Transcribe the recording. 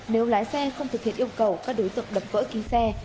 nếu lái xe không thực hiện yêu cầu các đối tượng đập vỡ kính xe